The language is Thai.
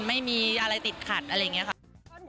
ไม่มีอะไรติดขัดอะไรอย่างนี้ค่ะ